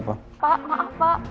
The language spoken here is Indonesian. pak maaf pak